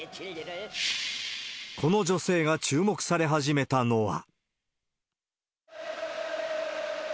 この女性が注目され始めたのは。